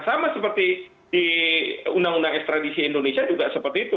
sama seperti di undang undang ekstradisi indonesia juga seperti itu